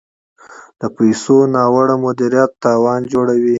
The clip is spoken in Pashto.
د پیسو ناوړه مدیریت تاوان جوړوي.